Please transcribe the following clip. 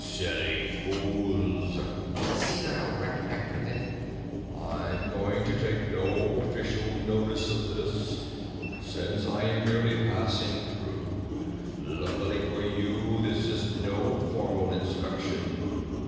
"Silly fools!" the senile wreck hectored them. "I'm going to take no official notice of this since I'm merely passing through. Luckily for you this is no formal inspection.